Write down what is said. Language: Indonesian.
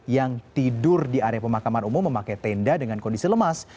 yang tidur di area pemakaman umum memakai tenda dengan kondisi lemas